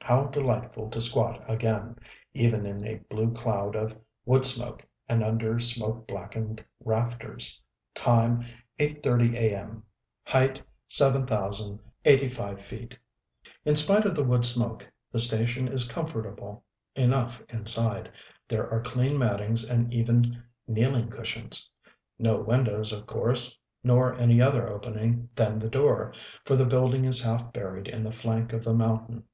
How delightful to squat again, even in a blue cloud of wood smoke and under smoke blackened rafters! Time, 8:30 a. m. Height, 7,085 feet. In spite of the wood smoke the station is comfortable enough inside; there are clean mattings and even kneeling cushions. No windows, of course, nor any other opening than the door; for the building is half buried in the flank of the mountain.